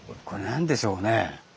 これ何でしょうね？